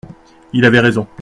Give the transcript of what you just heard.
Il avait raison.